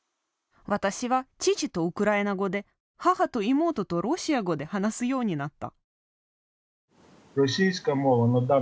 私は父とウクライナ語で母と妹とロシア語で話すようになった。